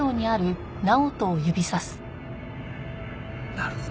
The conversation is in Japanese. なるほど。